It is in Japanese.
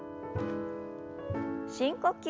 深呼吸。